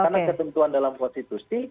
karena ketentuan dalam konstitusi